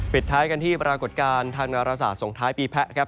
ท้ายกันที่ปรากฏการณ์ทางนาราศาสส่งท้ายปีแพะครับ